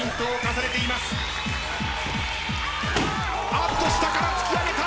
あっと下から突き上げた！